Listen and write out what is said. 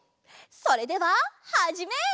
それでははじめい！